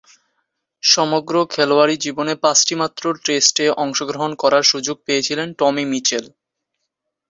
সমগ্র খেলোয়াড়ী জীবনে পাঁচটিমাত্র টেস্টে অংশগ্রহণ করার সুযোগ পেয়েছিলেন টমি মিচেল।